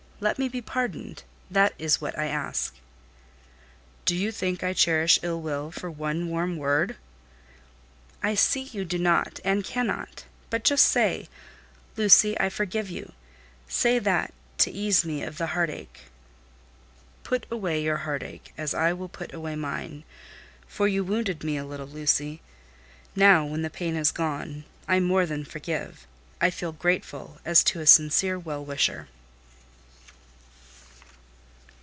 Let me be pardoned; that is what I ask." "Do you think I cherish ill will for one warm word?" "I see you do not and cannot; but just say, 'Lucy, I forgive you!' Say that, to ease me of the heart ache." "Put away your heart ache, as I will put away mine; for you wounded me a little, Lucy. Now, when the pain is gone, I more than forgive: I feel grateful, as to a sincere well wisher."